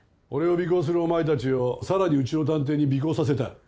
俺を尾行するお前たちをさらにうちの探偵に尾行させた。